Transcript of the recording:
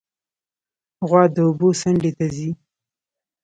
غوا د اوبو څنډې ته ځي.